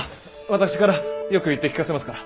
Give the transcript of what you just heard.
私からよく言って聞かせますから！